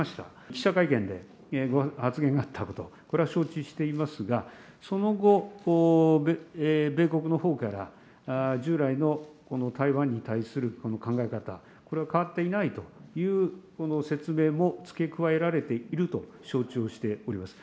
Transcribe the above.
記者会見でご発言があったこと、これは承知していますが、その後、米国のほうから従来の台湾に対するこの考え方、これは変わっていないという説明も付け加えられていると承知をしております。